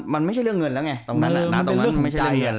มันไม่ใช่เรื่องเงินละไง